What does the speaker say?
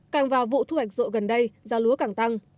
càng vào vụ thu hoạch rộ gần đây giá lúa càng tăng